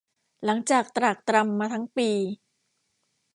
หลังจากตรากตรำมาทั้งปี